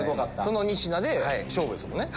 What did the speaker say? その２品で勝負ですよね。